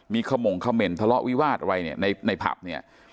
มีขมงเขม่นทะเลาะวิวาสอะไรเนี่ยในผับเนี่ย